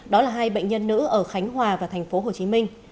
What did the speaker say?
đó là hai bệnh nhân nữ ở khánh hòa và thành phố hồ chí minh